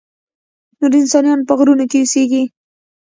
نورستانیان په غرونو کې اوسیږي؟